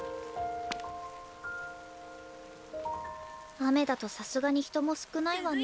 雨だとさすがに人も少ないわね。